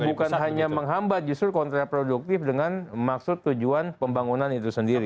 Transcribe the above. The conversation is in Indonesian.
bukan hanya menghambat justru kontraproduktif dengan maksud tujuan pembangunan itu sendiri